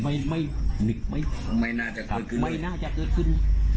มันไม่นึกไม่น่าจะเกิดขึ้น